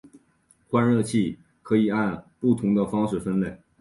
换热器可以按不同的方式分类。